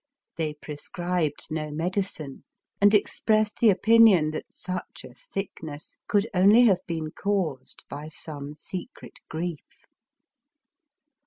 They prescribed no medicine, and expressed the opinion that such a sickness could only have been caused by some secret grief.